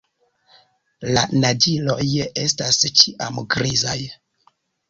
La naĝiloj estas ĉiam grizaj.